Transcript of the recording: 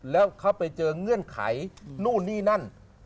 แล้วเขาไปเจอเงื่อนไขนู่นนี่นั่น